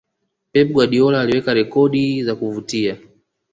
pep guardiola aliweka rekodi za kuvutia